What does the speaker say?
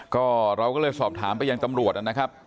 ก็เราก็เลยสอบถามไปยังตำรวจนะครับ